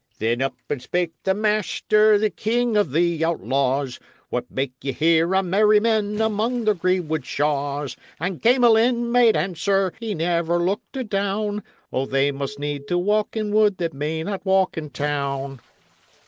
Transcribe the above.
"Then up and spake the master, the king of the outlaws: 'What make ye here, my merry men, among the greenwood shaws?' And Gamelyn made answer he looked never adown: 'O, they must need to walk in wood that may not walk in town!'"